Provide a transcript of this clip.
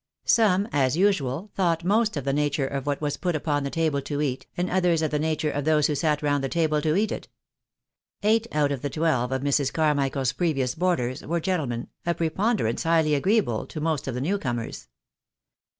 Some, as usual, thought most of the nature of what was put upon the table to eat, and others of the nature of those who sat round the table to eat it. Eight out of the twelve of Mrs. Car michael's previous boarders, were gentlemen, a preponderance highly agreeable to most of the new comers.